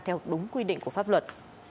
theo đúng quy định của pháp luật